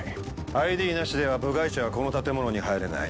ＩＤなしでは部外者はこの建物に入れない。